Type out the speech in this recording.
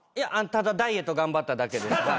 ただダイエット頑張っただけ。